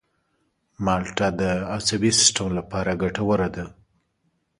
مالټه د عصبي سیستم لپاره ګټوره ده.